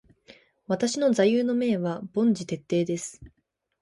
私の座右の銘は凡事徹底です。